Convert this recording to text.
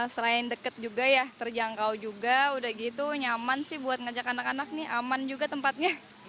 selain deket juga ya terjangkau juga udah gitu nyaman sih buat ngajak anak anak nih aman juga tempatnya